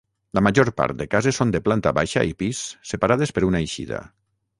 La major part de cases són de planta baixa i pis separades per una eixida.